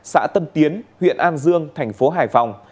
xã tân tiến huyện an dương thành phố hải phòng